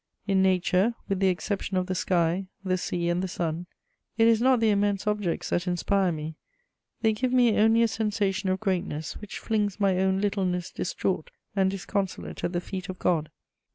In nature, with the exception of the sky, the sea and the sun, it is not the immense objects that inspire me; they give me only a sensation of greatness, which flings my own littleness distraught and disconsolate at the feet of God.